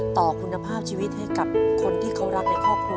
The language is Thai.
ต่อคุณภาพชีวิตให้กับคนที่เขารักในครอบครัว